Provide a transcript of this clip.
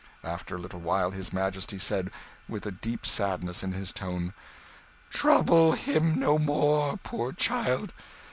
After a little while his majesty said, with a deep sadness in his tone "Trouble him no more, poor child.